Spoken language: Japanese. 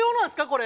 これ。